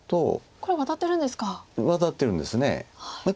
これワタってるんですか。